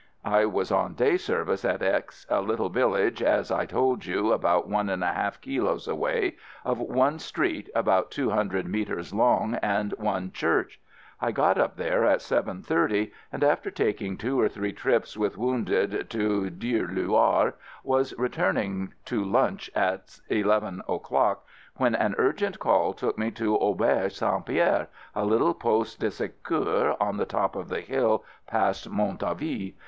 I was on day service at X a little village, as I told you, about one and one half kilos away, of one street about two hundred metres long and one church. I got up there at seven thirty, and, after taking two or three trips with wounded to Dieulouard, was returning to lunch at eleven o'clock, when an urgent call took me to Auberge St. Pierre — a little poste de secour on the 40 AMERICAN AMBULANCE top of the hill past Montauville.